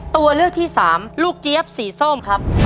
ตัวเลือกที่๓ลูกเจี๊ยบสีส้ม